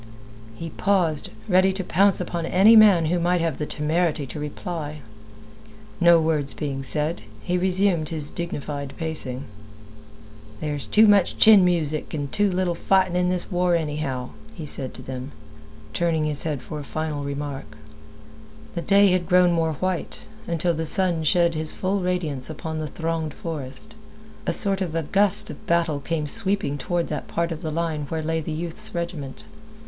He paused, ready to pounce upon any man who might have the temerity to reply. No words being said, he resumed his dignified pacing. "There's too much chin music an' too little fightin' in this war, anyhow," he said to them, turning his head for a final remark. The day had grown more white, until the sun shed his full radiance upon the thronged forest. A sort of a gust of battle came sweeping toward that part of the line where lay the youth's regiment.